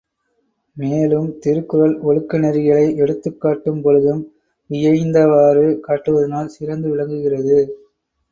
மேலும், திருக்குறள் ஒழுக்க நெறிகளை எடுத்துக்காட்டும் பொழுதும் இயைந்தவாறு காட்டுவதானால், சிறந்து விளங்குகிறது.